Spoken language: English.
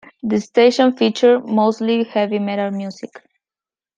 The station featured mostly heavy metal music.